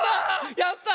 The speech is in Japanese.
やったわ！